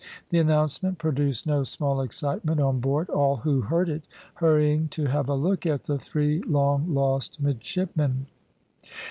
The announcement produced no small excitement on board, all who heard it hurrying to have a look at the three long lost midshipmen.